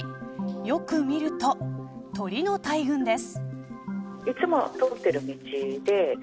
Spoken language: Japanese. よく見ると、鳥の大群です。